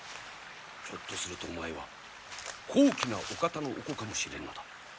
ひょっとするとお前は高貴なお方のお子かもしれんのだ。